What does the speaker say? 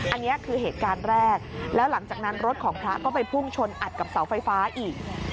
อันนี้คือเหตุการณ์แรกแล้วหลังจากนั้นรถของพระก็ไปพุ่งชนอัดกับเสาไฟฟ้าอีก